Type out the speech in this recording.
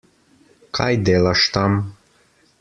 Kaj delaš tam?